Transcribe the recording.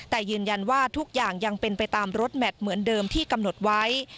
แต่ยืนยันว่าทุกอย่างยังเป็นไปตามรถแมพเหมือนเดิมที่กำหนดไว้